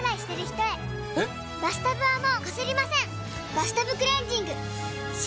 「バスタブクレンジング」！